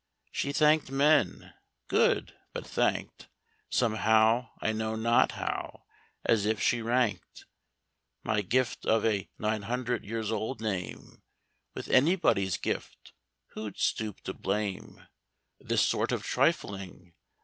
She thanked men good! but thanked Somehow I know not how as if she ranked My gift of a nine hundred years old name With anybody's gift. Who'd stoop to blame This sort of trifling?